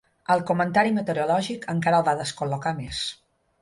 El comentari meteorològic encara el va descol·locar més.